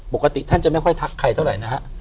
ปกติท่านจะไม่ค่อยทักใครเท่าไหร่นะฮะ